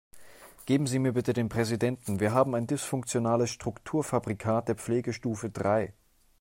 Geben Sie mir bitte den Präsidenten, wir haben ein dysfunktionales Strukturfabrikat der Pflegestufe drei.